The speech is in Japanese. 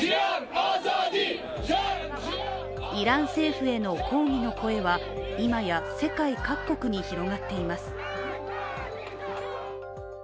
イラン政府への抗議の声は今や世界各国に広がっています。